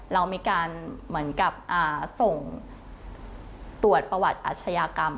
เรามีการเหมือนกับส่งตรวจประวัติอาชญากรรม